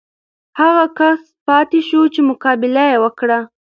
هغه کس پاتې شو چې مقابله یې وکړه.